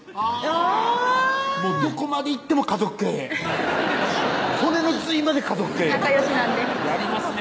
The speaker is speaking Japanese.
あぁどこまでいっても家族経営骨の髄まで家族経営仲よしなんですやりますね